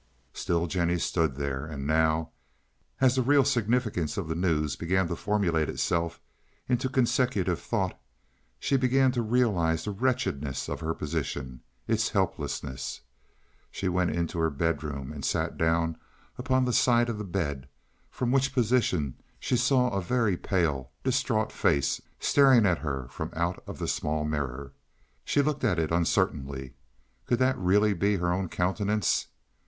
Still Jennie stood there, and now, as the real significance of the news began to formulate itself into consecutive thought, she began to realize the wretchedness of her position, its helplessness. She went into her bedroom and sat down upon the side of the bed, from which position she saw a very pale, distraught face staring at her from out of the small mirror. She looked at it uncertainly; could that really be her own countenance?